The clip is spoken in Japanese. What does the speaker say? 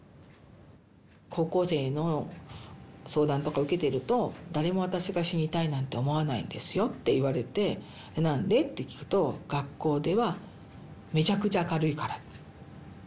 高校生の相談とか受けてると誰も私が死にたいなんて思わないんですよって言われて「何で？」って聞くと学校ではめちゃくちゃ明るいから。